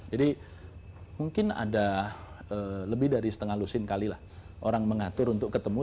jadi mungkin ada lebih dari setengah lusin kali lah orang mengatur untuk ketemu